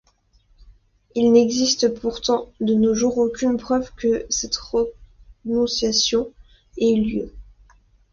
Il n'existe pourtant de nos jours aucune preuve que cette renonciation ait eu lieu.